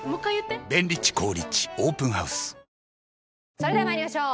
それでは参りましょう。